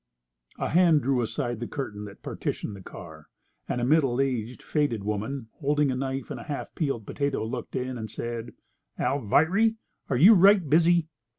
A hand drew aside the curtain that partitioned the car, and a middle aged, faded woman holding a knife and a half peeled potato looked in and said: "Alviry, are you right busy?"